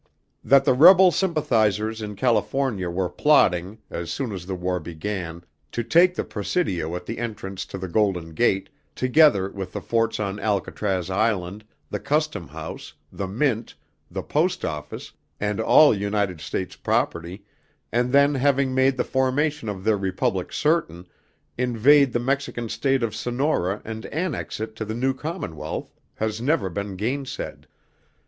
That the rebel sympathizers in California were plotting, as soon as the War began, to take the Presidio at the entrance to the Golden Gate, together with the forts on Alcatraz Island, the Custom House, the Mint, the Post Office, and all United States property, and then having made the formation of their Republic certain, invade the Mexican State of Sonora and annex it to the new commonwealth, has never been gainsaid.